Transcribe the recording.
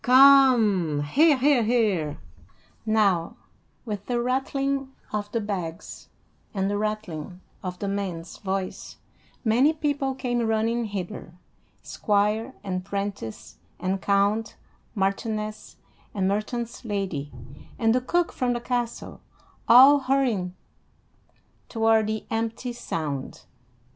Come, hear, hear, hear!" Now with the rattling of the bags, and the rattling of the man's voice, many people came running hither: squire and 'prentice and count, marchioness and merchant's lady, and the cook from the castle, all hurrying toward the empty sound.